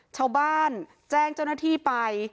ชาวบ้านแจ้งเจ้าหน้าที่ไป